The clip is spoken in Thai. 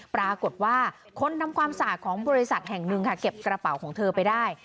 ปรากฏว่าคนทำความสะอาดของบริษัทแห่งหนึ่งค่ะเก็บกระเป๋าของเธอไปได้